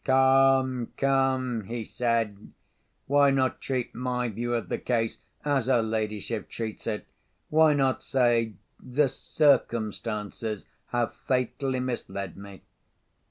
"Come! come!" he said, "why not treat my view of the case as her ladyship treats it? Why not say, the circumstances have fatally misled me?"